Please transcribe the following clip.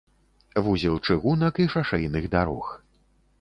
Вузел чыгунак і шашэйных дарог.